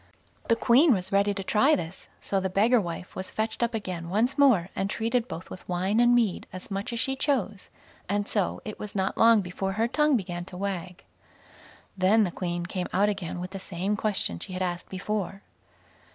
The Queen was ready to try this; so the beggar wife was fetched up again once more, and treated both with wine and mead as much as she chose; and so it was not long before her tongue began to wag. Then the Queen came out again with the same question she had asked before.